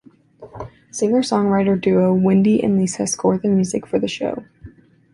Singer-songwriter duo Wendy and Lisa scored the music for the show.